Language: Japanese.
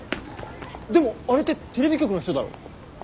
でもあれってテレビ局の人だろ？